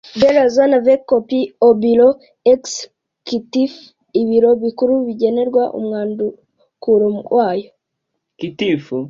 de la Zone avec copie au Bureau Ex cutif Ibiro Bikuru bigenerwa umwandukuro wayo